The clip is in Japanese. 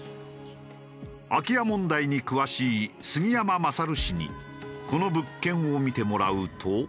空き家問題に詳しい杉山勝氏にこの物件を見てもらうと。